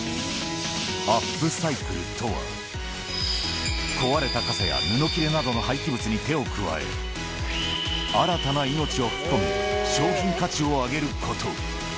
アップサイクルとは、壊れた傘や布切れなどの廃棄物に手を加え、新たな命を吹き込み、商品価値を上げること。